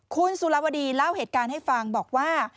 คุณสุรวดีเล่าเหตุการณ์ให้ฟังบอกว่า